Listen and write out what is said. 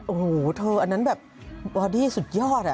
โอ้โหเธออันนั้นแบบบอดี้สุดยอด